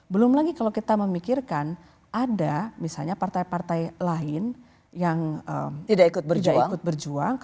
belum lagi kalau kita memikirkan ada misalnya partai partai lain yang tidak ikut berjuang